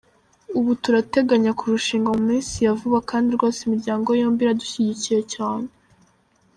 Ubu turateganya kurushinga mu minsi ya vuba kandi rwose imiryango yombi iradushyigikiye cyane.